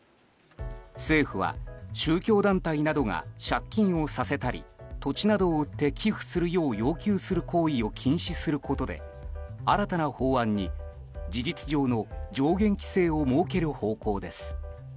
政府は宗教団体などが借金をさせたり土地などを売って寄付するよう要求する行為を禁止することで新たな法案に事実上の上限規制を設ける方向です。